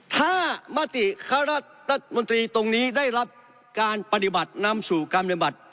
ถ้ามติคณะรัฐมนตรีตรงนี้ได้รับการปฏิบัตินำสู่การปฏิบัติ